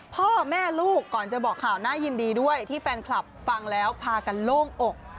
พ่อแม่ลูกก่อนจะบอกข่าวน่ายินดีด้วยที่แฟนคลับฟังแล้วพากันโล่งอก